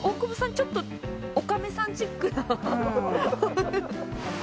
ちょっとおかめさんチックな。